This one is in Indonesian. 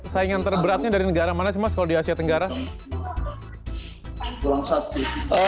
saingan terberatnya dari negara mana sih mas kalau di asia tenggara